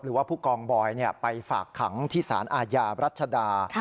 หรือว่าผู้กองบอยไปฝากขังที่สารอาญารัชดา